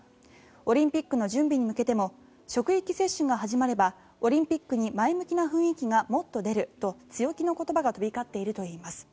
オリンピックの準備に向けても職域接種が始まればオリンピックに前向きな雰囲気がもっと出ると強気の言葉が飛び交っているといいます。